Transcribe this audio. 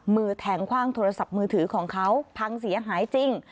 มือแทงคว่างโทรศัพท์มือถือของเขาพังเสียหายจริง